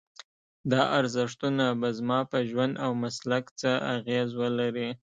دا ارزښتونه به زما په ژوند او مسلک څه اغېز ولري؟